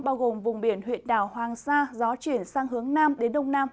bao gồm vùng biển huyện đảo hoàng sa gió chuyển sang hướng nam đến đông nam